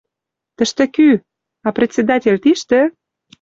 «Тӹштӹ кӱ?» — «А председатель тиштӹ?» —